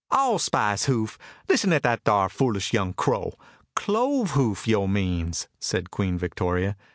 "Allspice hoof! Lissen at dat ar foolish young crow. Clove hoof, yo' means," said Queen Victoria.